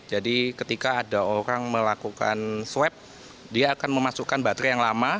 jadi ketika ada orang melakukan swap dia akan memasukkan baterai yang lama